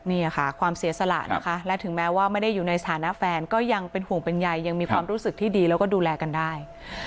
นี่ค่ะความเสียสละนะคะและถึงแม้ว่าไม่ได้อยู่ในสถานะแฟนก็ยังเป็นห่วงเป็นใยยังมีความรู้สึกที่ดีแล้วก็ดูแลกันได้